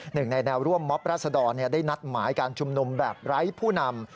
หนึ่งในแนวร่วมมอบราษดรได้นัดหมายการชุมนุมแบบไร้ผู้นำ